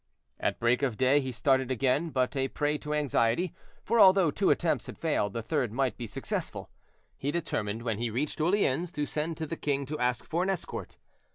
At break of day he started again, but a prey to anxiety, for although two attempts had failed, the third might be successful. He determined when he reached Orleans to send to the king to ask for an escort.